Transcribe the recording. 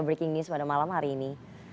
breaking news pada malam hari ini